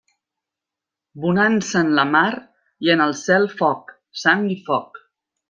Bonança en la mar i en el cel foc, sang i foc.